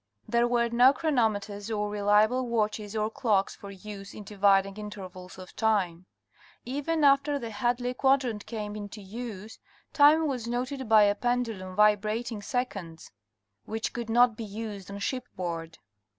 There were no chronometers or reliable watches or clocks for use in dividing intervals of time. Even after the Hadley quadrant came into use, time was noted by a pendulum vibrating seconds, which could not be used on ship board.